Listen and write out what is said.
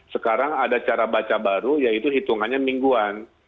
sekarang ada cara baca baru yaitu hitungannya mingguan